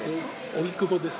荻窪です。